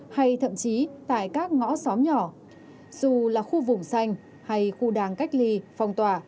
hay thậm chí tại các ngõ xóm nhỏ dù là khu vùng xanh hay khu đảng cách ly phòng tòa